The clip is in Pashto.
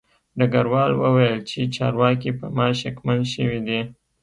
ډګروال وویل چې چارواکي په ما شکمن شوي دي